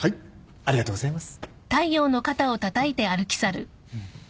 ありがとうございます。